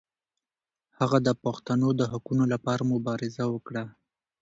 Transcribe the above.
هغه د پښتنو د حقونو لپاره مبارزه وکړه.